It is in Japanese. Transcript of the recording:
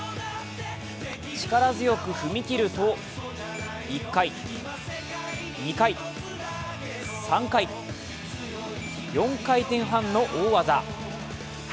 力強く踏み切ると、１回、２回、３回、４回転半の大技。